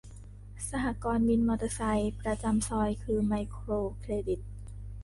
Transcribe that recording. สหกรณ์วินมอเตอร์ไซค์ประจำซอย คือไมโครเครดิต